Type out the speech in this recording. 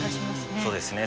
そうですね。